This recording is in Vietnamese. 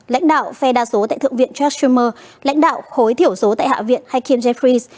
lãnh đạo phe đa số tại thượng viện jack schumer lãnh đạo khối thiểu số tại hạ viện hakeem jeffries